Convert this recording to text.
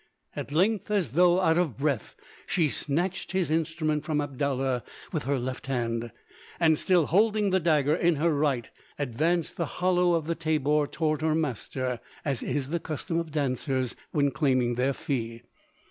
At length, as though out of breath, she snatched his instrument from Abdallah with her left hand, and, still holding the dagger in her right, advanced the hollow of the tabor toward her master, as is the custom of dancers when claiming their fee.